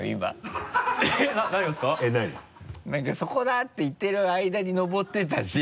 何か「そこだ！」って言ってるあいだに上ってたし。